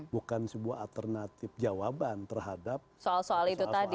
bukan sebuah alternatif jawaban terhadap soal soal itu tadi